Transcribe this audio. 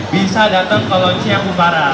bisa dateng ke lonceng bumparan